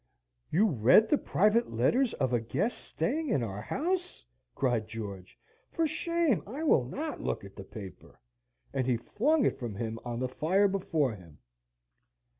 "You read the private letters of a guest staying in our house?" cried George. "For shame! I will not look at the paper!" And he flung it from him on to the fire before him.